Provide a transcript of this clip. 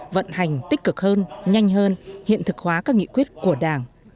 vận hành tích cực hơn nhanh hơn hiện thực hóa các nghị quyết của đảng